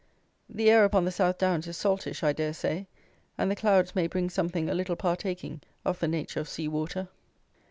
The air upon the South Downs is saltish, I dare say; and the clouds may bring something a little partaking of the nature of sea water.